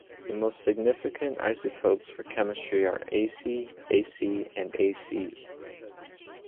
The most significant isotopes for chemistry are Ac, Ac, and Ac.